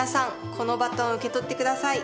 このバトン受け取って下さい。